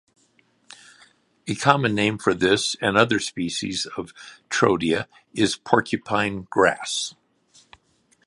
A common name for this and other species of "Triodia" is porcupine grass.